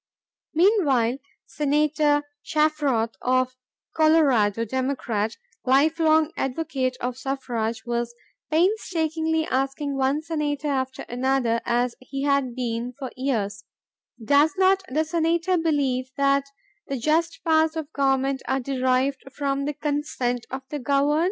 Meanwhile Senator Shafroth of Colorado, Democrat, lifelong advocate of suffrage, was painstakingly asking one senator after another, as he had been for years, "Does not the Senator believe that the just powers of government are derived from the consent of the governed?"